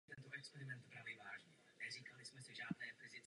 Ve svém odborném výzkumu studoval problematiku buněčných obranných reakcí.